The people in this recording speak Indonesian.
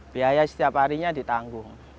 biaya setiap harinya ditanggung